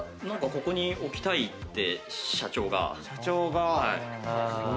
なんか、ここに置きたいって社長が。